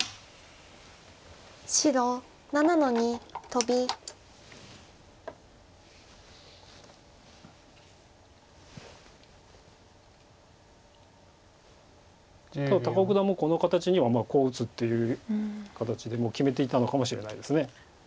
多分高尾九段もこの形にはこう打つっていう形でもう決めていたのかもしれないです。